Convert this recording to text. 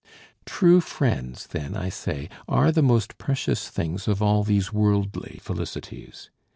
True friends, then, I say, are the most precious things of all these worldly felicities.